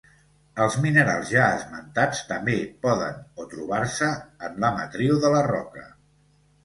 Els minerals ja esmentats també poden o trobar-se en la matriu de la roca.